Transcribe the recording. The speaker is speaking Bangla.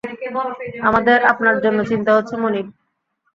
আমাদের আপনার জন্য চিন্তা হচ্ছে, মনিব।